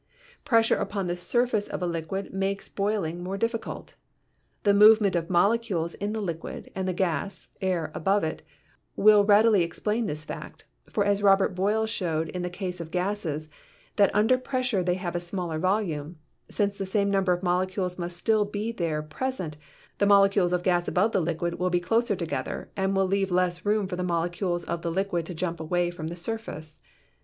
Pressure upon the surface of a liquid makes boiling more difficult. The movement of molecules in the liquid and the gas (air) above it will readily explain this fact, for as Robert Boyle showed in the case of gases, that under pres sure they have a smaller volume, since the same number of molecules must still be there present, the molecules of gas above the liquid will be closer together and will leave less room for the molecules of the liquid to jump away from the surface.